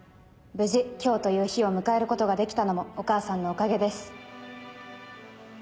無事今日という日を迎えることができたのもお母さんのおかげです」。